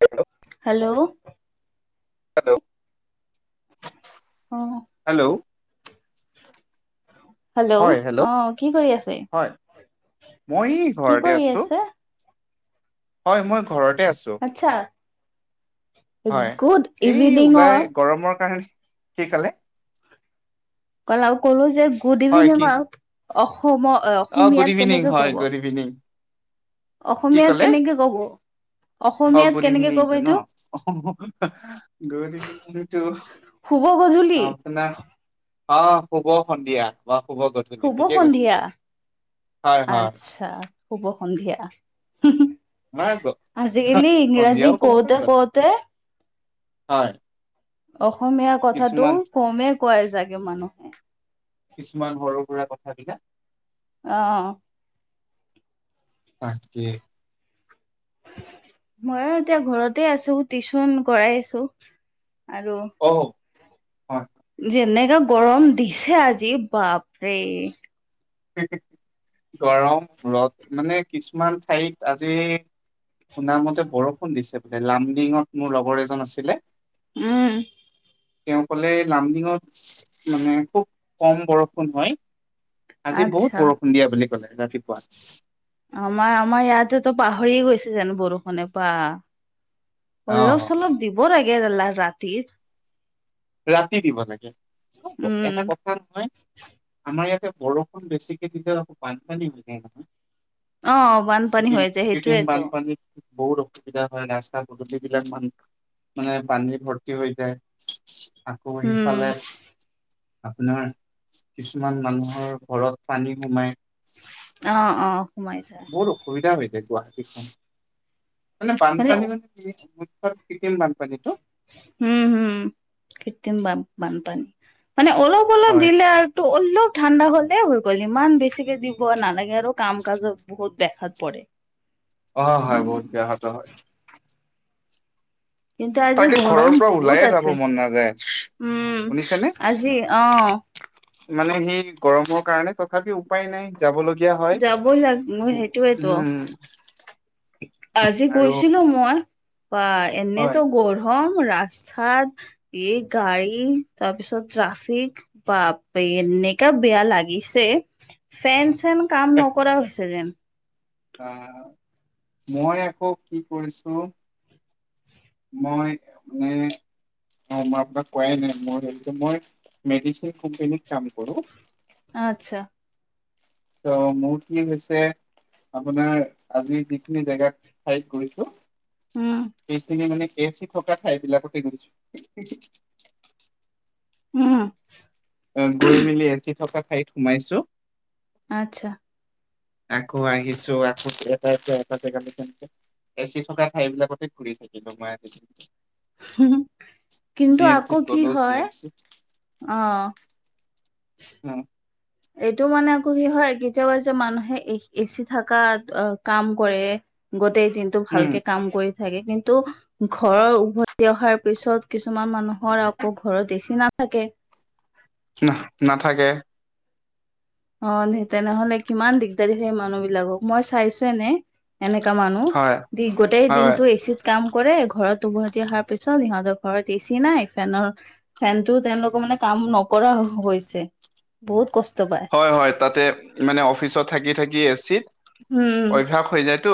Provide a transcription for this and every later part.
Hello [unintelligible] hello? Hello? অ'। Hello? অ [unintelligible] hello? হয় হেল্ল' অ' কি কৰি আছে, হয় মই কি ঘৰতে কৰি আছো আছে? হয়। মই ঘৰতে আছোঁ। ল্ল' আচ্ছা হয়। গুড এই ইভিনিঙৰ ওলাই গৰমৰ কাৰণে কি ক'লে? কলা ও কলো যে গুড হয় ইভিনিং কি অসমত অ গুড অসমীয়াত ইভিনিং কেনেকে হয় ক'ব? Good evening? কি অসমীয়াত ক'লে কেনেকে ক'ব? অ' অসমীয়াত গুড কেনেকে ইভিনিং কব টো ন? এইটো ইভিনিংটো শুভ গধুলি। আপোনাৰ অ শুভ সন্ধিয়া বা শুভ গধূলি শুভ ঠিকেই কৈছে, সন্ধিয়া হয় হয়। আচ্ছা শুভ সন্ধিয়া। মই আজিকালি ইংৰাজী সন্ধিয়াও ক'ব কওঁতে পাৰিব কওঁতে হয় অসমীয়া কথাটো কিছুমান কমেই ক‌ই জাগে মানুহ। কিছুমান সৰু সুৰা কথাবিলাক অ। তাকে মইও এতিয়া ঘৰতে আছো টিউচন কৰাই আছো, আৰু অ। হয় যেনেকা গৰম দিছে আজি বাপৰে। গৰম ৰ'দ মানে কিছুমান ঠাইত মানে আজি শুনা মতে বৰষুণ দিছে বোলে লামডিঙত মোৰ লগৰ এজন আছিলে। উম। তেওঁ ক'লে লামডিঙত মানে খুব কম বৰষুণ হয়। আজি বহুত আচ্ছা বৰষুণ দিয়া বুলি ক'লে ৰাতিপুৱা। আমাৰ আমাৰ ইয়াতেতো পাহৰি গৈছে যেন বৰষুণে পা। আহ অলপ চলপ দিব লাগে দাল্লা ৰাতিত। ৰাতি দিব লাগে, উম এটা কথ থা নহয়, আমাৰ ইয়াতে বৰষুণ বেছিকে তেতিয়া আক বানপানী হৈ যায় নহয়। অ বানপানী হৈ যায় কৃত্ৰিম সেইটোয়েতো বান্ধপানী। বহুত অসুবিধা হয় ৰাস্তা পদূলিবিলাক মান মানে পানী ভৰ্তি হৈ যায়। আকৌ উম সিফালে আপোনাৰ কিছুমান মানুহৰ ঘৰত পানী সোমাই। অ অ সোমাই যা বহুত অসুবিধা হৈ যায় গুৱাহাটীখন মানে বানপানী মান গিনিছ বহুতবাৰ কৃত্ৰিম বানপানী ত হুম হুম কৃত্ৰিম বান বানপানী মানে অলপ অলপ হয় দিলে আৰ টো অলপ ঠাণ্ডা হ'লেই হৈ গ'ল ইমান বেছিকে দিব নালাগে আৰু কাম কামত বহুত দেখাত পৰে। অ হয় বহুত বেয়া হত হয়। কিন্তু আজি তাকে ঘৰৰ গৰম পৰা বহুত ওলাইয়ে যাব আছিল মন নাযায়, উম শুনিছা নে? আজি অ মানে সেই গৰমৰ কাৰণে তথাপিও উপায় নাই। যাবলগীয়া হয়, যাবই লাগিব উ সেইটোয়েতো উম। আজি আৰু গৈছিলো মই বা হয় এনেতো গৰম ৰাস্তাত এই গাড়ী তাৰপিছত ট্ৰাফিক বাপৰে এনেকা বেয়া লাগিছে। ফেন চেন কাম নকৰা হৈছে যেন। আহ মই আকৌ কি কৰিছো মই মানে অ মই আপোনাক কোৱাই নাই মই একদম, মই মেডিচিন কোম্পানীত কাম কৰো। আত্চ্ছা। ত মোৰ কি হৈছে আপোনাৰ আজি যিখিনি জেগাত ঠাইত গৈছো উম এইখিনি মানে কে চি থকা ঠাইবিলাকতে গৈছো। উম। উম গৈ মেলি এচি থকা ঠাইত সোমাইছো আচ্ছা আকৌ আহিছো আকৌ এটা জেগাৰ পৰা এটা জেগালৈ এনেকে এচি থকা ঠাই বিলাকতে ঘূৰি থাকিলো মই আজি দিনটো কিন্তু আকৌ চিত কি গ'লো জি হয় এম চিত অ' [inaudible] [inaudible] এইটো মানে আকৌ কি হয় কেতিয়াবা যে মানুহে এ এচি থাকাত কাম কৰে গোটেই দিনটো উম ভালকে কাম কৰি থাকে কিন্তু ঘৰত উভতি অহাৰ পিছত কিছুমান মানুহৰ আকৌ ঘৰত এ চি নাাথাকে না নাথাকে অ তেনেহলে কিমান দিগদাৰী হয় মানুহ বিলাকক মই চাইছো এনে এনেকা মানুহ হয় দি গোটেই হয় দিনটো এ‌ চিত কাম কৰে ঘৰত উভতি অহাৰ পিছত সিহঁতৰ ঘৰত এ চি নাই ফেনৰ ফেনটো তেওঁলোকৰ মানে কাম নকৰা হৈছে বহুত কষ্ট পায় হয় হয় তাতে মানে অফিচত থাকি থাকি এ চিত উম অভ্যাস হৈ যায়তো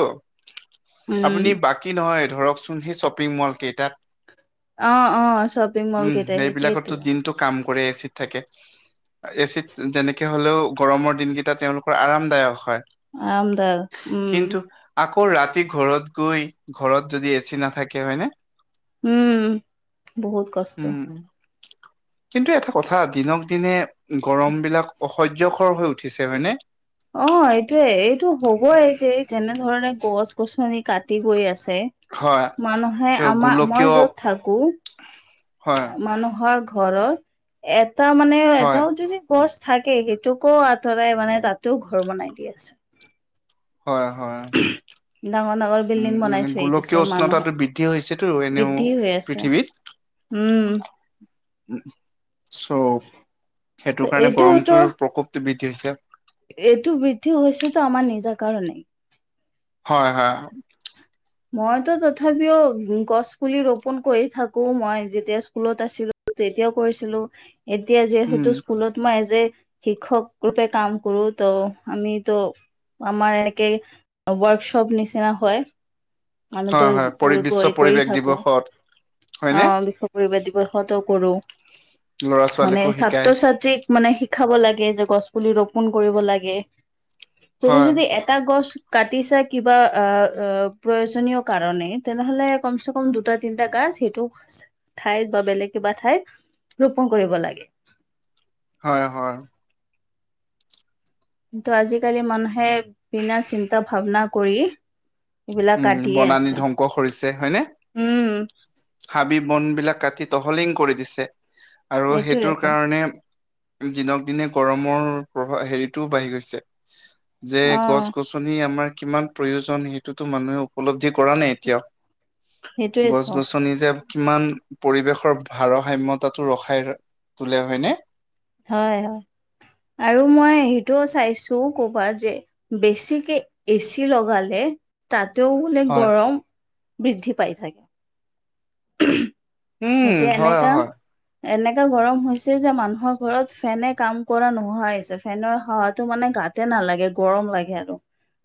উম আপুনি বাকী নহয় ধৰকচোন সেই শ্বপিং মল কেইটাত অ' অ' শ্বপিং মল কেইটা সেইটোৱেতো টো কাম কৰে এ চিত থাকে এ চিত যেনেক কে হ'লেও গৰমৰ দিনকেইটা তেওঁলোকৰ আৰামদায়ক হয় আৰামদায়ক উম কিন্তু আকৌ ৰাতি ঘৰত গৈ ঘৰত যদি এচি নাথাকে হয়নে উম বহুত কষ্ট উম কিন্তু এটা কথা দিনক দিনে গৰম বিলাক অসহ্যকৰ হৈ উঠিছে হয়নে অ' এইটোৱে এইটো হ'বই যে যেনে ধৰণে গছ গছনি কাটি গৈ আছে হয়, মানুহে ত' আমা মই গোলকীয় য'ত থাকো হয় মানুহৰ ঘৰত এটা মানে হয়, এটাও যদি গছ থাকে সেইটোকো আঁতৰাই মানে তাতেও ঘৰ বনাই দি আছে হয় হয় ডাঙৰ ডাঙৰ উম, বিল্ডিং মানে বনাই থৈ গোলকীয় দিছে মানুহে উষ্ণতাটো বৃদ্ধি হৈছেতো এনেও বৃদ্ধি হৈ আছে পৃথিৱীত। উম উ চ' ত সেইটো কাৰণে এইটোতো গৰমটোৰ প্ৰকোপটো বৃদ্ধি হৈছে এইটো বৃদ্ধি হৈছেতো আমাৰ নিজৰ কাৰণেই হয় হয় মইতো তথাপিও গছ পুলি ৰোপন কৰি থাকোঁ মই যেতিয়া স্কুলত আছিলোঁ তেতিয়াও কৰিছিলো এতিয়া উম, যিহেতু স্কুলত মই এজ এ শিক্ষক ৰূপে কাম কৰোঁ ত' আমিতো আমাৰ একে ৱৰ্কশ্বপ নিচিনা হয় আমিতো হয়, হয়, পৰি ভুল বিশ্ব কৰি কৰি পৰিৱেশ থাকোঁ দিৱসত হয়নে? অ' লিখো পৰিৱেশ দিৱসতো কৰোঁ ল'ৰা মানে ছোৱালীকো শিকায় ছাত্ৰ ছাত্ৰীক মানে শিকাব লাগে যে গছ পুলি ৰোপন কৰিব লাগে তুমি হয়, যদি এট এটা গছ কাটিছা কিবা অ' অ' প্ৰয়োজনীয় কাৰনেই তেনেহলে কম চে কম দুটা তিনটা গাছ সেইটো ঠাইত বা বেলেগ কিবা ঠাইত ৰোপন কৰিব লাগে। হয় হয় কিন্তু আজিকালি মানুহে বিনা চিন্তা ভাৱনা কৰি- এইবিলাক উম কাটিয়ে বনানি আছে ধ্বংস কৰিছে হয়নে। উম হাবি বন বিলাক কাটি তহলিং কৰি দিছে আৰু সেইটোৰ এইটোয়েতো কাৰণে- দিনক দিনে গৰমৰ প্ৰভা হেৰিতো বাঢ়ি গৈছে যে অ গছ-গছন নি আমাৰ কিমান প্ৰয়োজন সেইটোতো মানুহে উপলব্ধি কৰা নাই এতিয়াও। সেইটোয়েতো গছ-গছন ছনি যে কিমান পৰিবেশৰ ভাৰসাম্যতাটো ৰখাই তোলে হয়নে। হয় হয় আৰু মই সেইটো চাইছো ক'বা যে বেছিকে এচি লগালে- তাতেও বোলে হয় গৰম বৃদ্ধি পাই থাকে। উম এতিয়া হয় এনেকা হয় এনেকা গৰম হৈছে যে মানুহক- ঘৰত ফেনে কাম কৰা নোহোৱাই হৈছে, ফেনৰ হাৱাটো মানে গাতে নালাগে গৰম লাগে আৰু।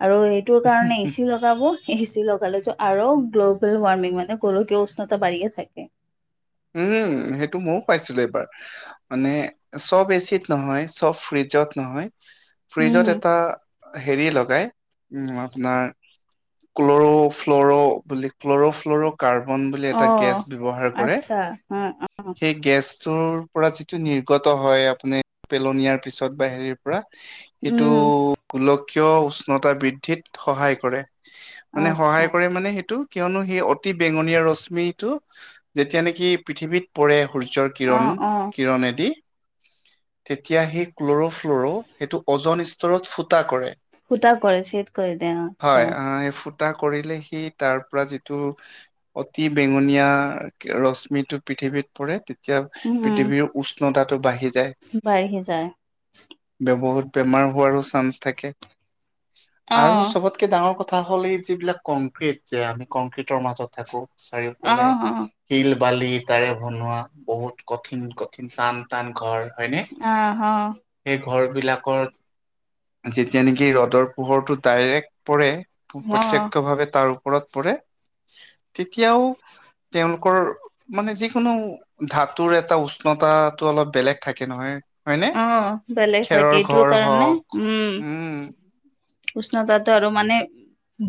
আৰু এইটোৰ কাৰণে এচি লগ লগাব, এ চি লগালে ত আৰু গ্ল'বেল ৱাৰ্মিং মানে গোলকীয় উষ্ণতা বাঢ়িয়ে থাকে। উম সেইটো ময়ো পাইছিলো এবাৰ। মানে চব এ চি ত নহয়, চব ফ্ৰিজত নহয়। ফ্ৰিজত উম এটা হেৰি লগাই উম আপোনাৰ- ক্লৰ' ফ্লৰ' বুলি ক্ল'ৰ'ফ্ল'ৰ' কাৰ্বন বুলি এটা গেছ ব্যৱহাৰ কৰে। আচ্ছা হ অ অ সেই গেছটোৰ পৰা যিটো নিৰ্গত হয় আপুনি- পেলনীয়াৰ পিছত বা হেৰিৰ পৰা সেইটো উম গোলকীয় উষ্ণতা বৃদ্ধিত- সহায় কৰে হ, মানে সহায় আচ্ছা কৰে মানে সেইটো- কিয়নো সেই অতি বেঙনীয়া ৰশ্মিটো যেতিয়া নেকি পৃথিৱীত পৰে সূৰ্যৰ- অ কিৰণ অ কিৰণেদি তেতিয়া সেই ক্ল'ৰ'ফ্লৰ' সেইটো অজন স্তৰত ফুটা কৰে। সুটা গল চেট কৰি দে অ আচ্ছা। আ এই ফুট টা কৰিলে সি তাৰ পৰা যিটো অতি বেঙনীয়া ৰশ্ শ্মিটো পৃথিৱীত পৰে তেতিয়া উম পৃথিৱীৰ উষ্ণতাটো বাঢ়ি যায়। বাঢ়ি যায়। বহুত বেমাৰ হোৱাৰো চান্স থাকে অ আৰু চবত- তাতকে ডাঙৰ কথা হ'ল এই যিবিলাক কংক্ৰিট যে আমি কংক্ৰিটৰ মাজত থাকো। অ চাৰিওফালে অ শিল বালি ইটাৰে বনোৱা বহুত কঠিন ক টান টান ঘৰ হয়নে। আহ সেই ঘৰবিলাকৰ যেতিয়া নেকি ৰ'দৰ পোহৰটো ডাইৰেক্ট পৰে- অ অ প্ৰত্যক্ষভাৱে তাৰ ওপৰত পৰে, তেতিয়াও তেওঁলোকৰ মানে যিকোনো ধাতুৰ এটা উষ্ণতাটো অলপ বেলেগ থাকে নহয়। হয়নে? অ বেলেগ থাকে খেৰৰ এইটোৰ ঘৰ কাৰণে হওক উম। উষ্ণতাটো আৰু মানে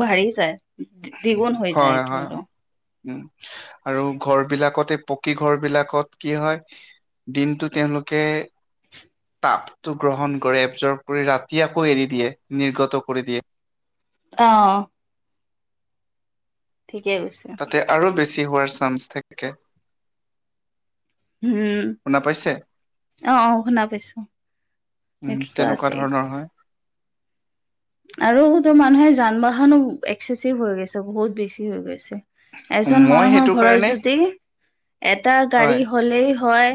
বাঢ়ি যায়, দ্বিগুণ হৈ যায় হয় এইটো হয় আৰু। উম আৰু ঘৰ বিলাকতে পকী ঘৰ বিলাকত কি হয় দিনটো তেওঁলোকে তাপটো গ্ৰহণ কৰে এবজৰ্ভ কৰি ৰাতি আকৌ এৰি দিয়ে নিৰ্গত কৰি দিয়ে। অ। ঠিকে কৈছে। তাতে আৰু বেছি হোৱাৰ চান্স থাকে। হম, শুনা পাইছে অ অ শুনা পাইছোঁ। উম এইটোতো তেনেকুৱা আছেই। ধৰণৰ হয় আৰু তো মানুহে যান বাহনো এক্সেচিভ হৈ গৈছে বহুত বেছি হৈ গৈছে। এজন মই মানুহৰ সেইটো ঘৰত কাৰণে যদি এটা গাড়ী হয়, হ'লেই হয়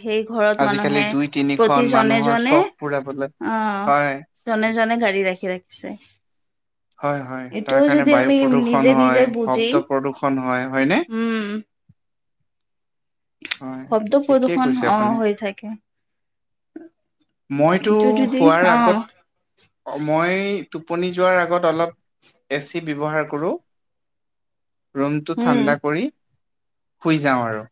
সেই ঘৰত আজিকালি মানুহে দুই তিনিখন প্ৰতি জনে মানুহৰ জনে চখ পুৰাবলৈ হয়। অহ জনে জনে গাড়ী ৰাখি ৰাখিছে। হয় হয়, তাৰ এইটোও কাৰণে যদি বায়ু আমি প্ৰদূষণ নিজে হয়, নিজে বুজি শব্দ প্ৰদূষণ হয়, হয়নে? উম হয়, শব্দ ঠিকেই প্ৰদূষন কৈছে অ আপুনি। হৈ থাকে। মইতো এইটো যদি অ শুৱাৰ আগত অ মই টোপনি যোৱাৰ আগত অলপ এ চি ব্যৱহাৰ কৰোঁ। [inaudible] ৰুমটো উম ঠাণ্ডা কৰি শুই যাওঁ আৰু।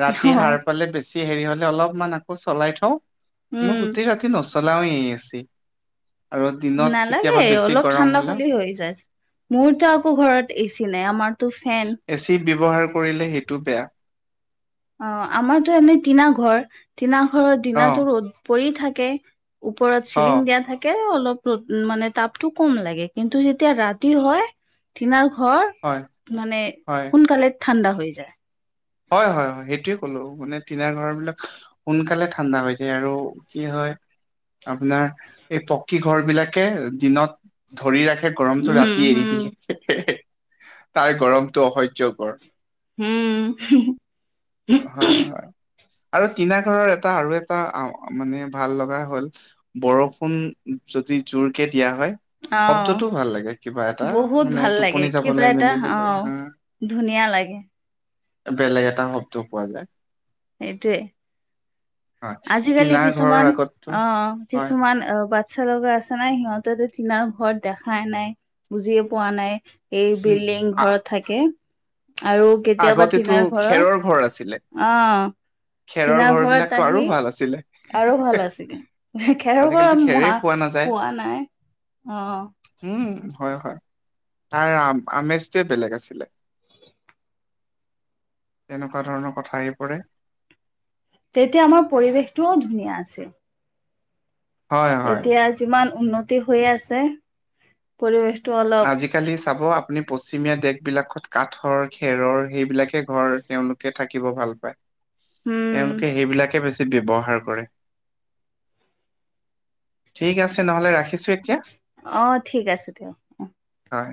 ৰাতি অ সাৰ পালে বেছি হেৰি হলে অলপমান আকৌ চলাই থওঁ মই উম গোটেই ৰাতি নচ চলাওঁৱে এ চি। আৰু দিনত কেতিয়াবা নালাগে বেছি অলপ গৰম ঠাণ্ডা হলেও হ'লে হৈ জাষ্ট। মোৰ ত আকৌ ঘৰত এ চি নাই আমাৰতো ফেন। এ চি ব্যৱহাৰ কৰিলে সেইটো বেয়া। অ আমাৰতো এনেই টিনা ঘৰ টিনা ঘৰত অ', দিনাটো ৰ'দ পৰি থাকে। ওপৰত চিলিং অ'। দিয়া থাকে অলপ ৰ'দ মানে তাপটো কম লাগে কিন্তু যেতিয়া ৰাতি হয় টিনাৰ হয়, ঘৰ মানে হয়, সোনকালে ঠাণ্ডা হৈ যায়। হয় হয় হয় সেইটোৱে ক'লো মানে টিনাৰ ঘৰবিলাক সোনকালে ঠাণ্ডা হৈ যায় আৰু কি হয় আপোনাৰ এই পকী ঘৰবিলাকে দিনত ধৰি ৰাখে গৰমটো উম ৰাতি এৰি হম দিয়ে হে হে হে তাৰ গৰমটো অসহ্যকৰ। হুম হু হু হয় হয় আৰু টিনা ঘৰৰ এটা আৰু এটা অ মানে ভাল লগা হ'ল বৰষুণ যদি জোৰকে দিয়া হয় অ শব্দটো ভাল লাগে কিবা এটা বহুত মানে ভাল লাগে টোপনি কিবা যাবলে এটা অ মেলিবলে হা ধুনীয়া লাগে। বেলেগ এটা শব্দ পোৱা যায়। সেইটোৱে। হয় আজি-কালি টিনাৰ ঘৰৰ কিছুমান আগতো অ হয় কিছুমান [unintelligible] চ্ছা লগা আছে নাই সিহঁতেতো টিনাৰ ঘৰ দেখাই নাই বুজিয়ে পোৱা নাই। এই উম বিল্ডিং আ ঘৰত থাকে আৰু কেতিয়াবা আগতেতো টিনাৰ ঘৰত খেৰৰ ঘৰ আছিলে। অ খেৰৰ টিনাৰ ঘৰ ঘৰত বিলাকতো আৰু আহি ভাল আছিলে। আৰু ভাল আছিলে হে খেৰৰ আজিকালিতো ঘৰ খেৰেই মোহা পোৱা নাযায়। পোৱা নাই অ উম হয় হয় তাৰ আমেজটোৱে বেলেগ আছিলে তেনেকুৱা ধৰণৰ কথা আহি পৰে তেতিয়া আমাৰ পৰিৱেশটোও ধুনীয়া আছিল। হয়, হয়। এতিয়া যিমান উন্নতি হৈ আছে পৰিৱেশটো অলপ আজিকালি চাব আপুনি পশ্চিমীয়া দেশবিলাকত কাঠৰ, খেৰৰ সেইবিলাকে ঘৰ তেওঁলোকে থাকিব ভাল পায়, উম তেওঁলোকে সেইবিলাকে বেছি ব্যৱহাৰ কৰে। ঠিক আছে নহ'লে ৰাখিছোঁ এতিয়া। অহ, ঠিক আছে দিয়া। হয়।